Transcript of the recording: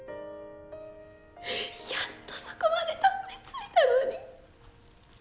やっとそこまで辿りついたのに！